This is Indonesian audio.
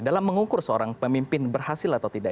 dalam mengukur seorang pemimpin berhasil atau tidak